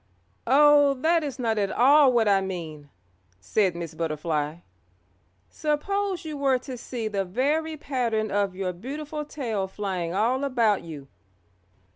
"Oh, that is not at all what I mean," said Miss Butterfly. "Suppose you were to see the very pattern of your beautiful tail flying all about you.